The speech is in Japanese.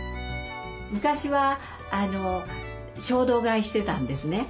昔は衝動買いしてたんですね。